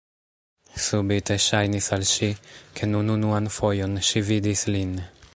Subite ŝajnis al ŝi, ke nun unuan fojon ŝi vidis lin.